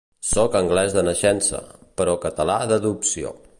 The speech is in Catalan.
Soc anglès de naixença, però català d'adopció.